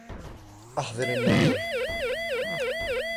أحضر النبيذ.